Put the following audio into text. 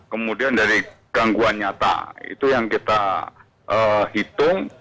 kemudian dari gangguan nyata itu yang kita hitung